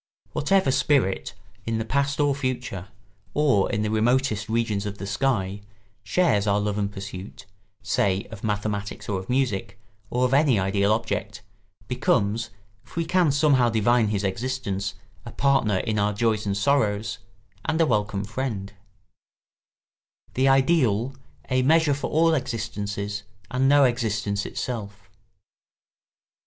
Whatever spirit in the past or future, or in the remotest regions of the sky, shares our love and pursuit, say of mathematics or of music, or of any ideal object, becomes, if we can somehow divine his existence, a partner in our joys and sorrows, and a welcome friend. [Sidenote: The ideal a measure for all existences and no existence itself.